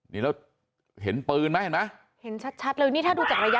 นี่เราเห็นปืนไหมเห็นไหมเห็นชัดแล้วนี่ถ้าดูจากระยะ